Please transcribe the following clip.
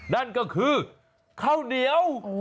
นั่นก็คือข้าวเหนียว